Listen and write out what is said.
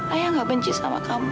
ayah gak benci sama kamu